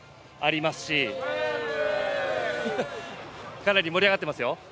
かなり盛り上がっています。